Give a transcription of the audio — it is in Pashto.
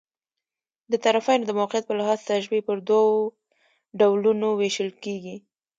د طرفَینو د موقعیت په لحاظ، تشبیه پر دوه ډولونو وېشل کېږي.